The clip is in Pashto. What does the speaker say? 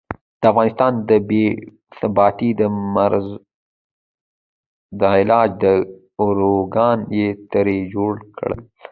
د افغانستان د بې ثباتۍ د مرض د علاج داروګان یې ترې جوړ کړل.